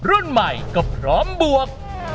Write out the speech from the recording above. รุ่นใหม่ก็พร้อมบวก